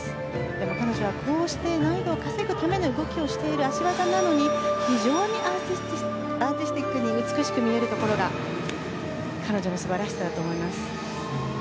でも、彼女は、難易度を稼ぐためにやっている脚技なのに非常にアーティスティックに美しく見えるところが彼女のすばらしさだと思います。